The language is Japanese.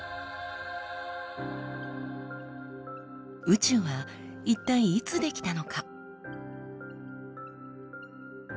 宇宙は一体いつ出来たのか？